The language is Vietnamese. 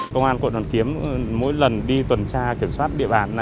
công an quận hoàn kiếm mỗi lần đi tuần tra kiểm soát địa bàn